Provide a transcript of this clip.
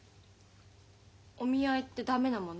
お見合いって駄目なもの？